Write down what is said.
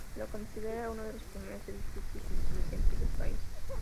Se lo considera uno de los primeros edificios inteligentes del país.